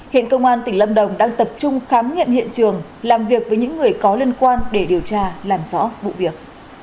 hiện công an tỉnh lâm đồng đang tập trung khám nghiệm hiện trường làm việc với những người có liên quan để điều tra làm rõ vụ việc